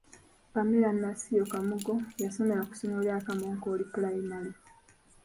Pamela Nasiyo Kamugo yasomera ku ssomero lya Kamonkoli pulayimale.